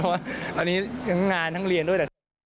เพราะตอนนี้ยังงานทั้งเรียนด้วย